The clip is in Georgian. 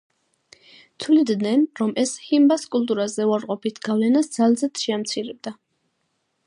თვლიდნენ, რომ ეს ჰიმბას კულტურაზე უარყოფით გავლენას ძალზედ შეამცირებდა.